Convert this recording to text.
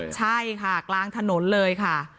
ใช่ครับกลางถนนเลย